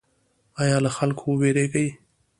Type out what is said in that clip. ایا له خلکو ویریږئ؟